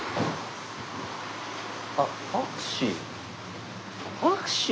あっタクシー。